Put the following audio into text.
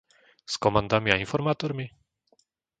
S komandami a informátormi?